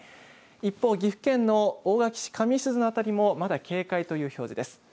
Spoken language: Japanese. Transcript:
一方、岐阜県の大垣市上石津の辺りもまだ警戒という表示です。